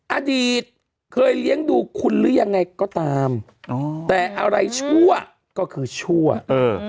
อดีตเคยเลี้ยงดูคุณหรือยังไงก็ตามอ๋อแต่อะไรชั่วก็คือชั่วเออ